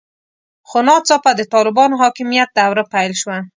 خو ناڅاپه د طالبانو حاکمیت دوره پیل شوه.